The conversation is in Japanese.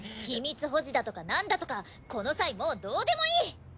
機密保持だとか何だとかこの際もうどうでもいい！